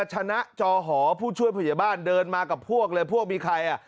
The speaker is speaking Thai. เจือชนะจอหอผู้ช่วยผู้ช่วยบ้านเดินมากับพวกเลยพวกมีใครอ่ะ